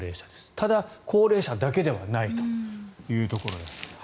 ただ、高齢者だけではないというところです。